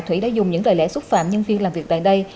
thủy đã dùng những lời lẽ xúc phạm nhân viên làm việc tại đây